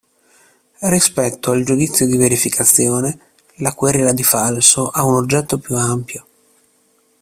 Rispetto al giudizio di verificazione la querela di falso ha un oggetto più ampio.